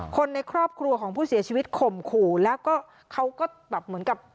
คนในครอบครัวของผู้เสียชีวิตข่มขู่แล้วก็เขาก็แบบเหมือนกับ